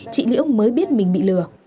chị liễu mới biết mình bị lừa